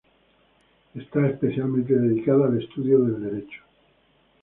Está especialmente dedicada al estudio del Derecho.